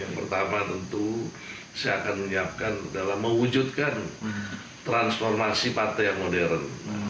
yang pertama tentu saya akan menyiapkan dalam mewujudkan transformasi partai yang modern